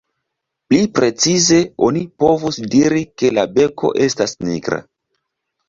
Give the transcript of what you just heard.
Pli precize oni povus diri, ke la beko estas nigra.